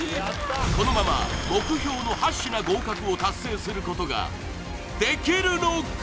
このまま目標の８品合格を達成することができるのか？